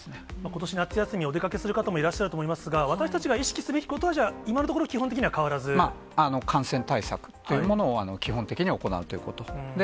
ことし夏休みにお出かけする方もいらっしゃると思いますが、私たちが意識すべきことは、じゃあ、今のところは基本的に変感染対策というものを、基本的に行うということ。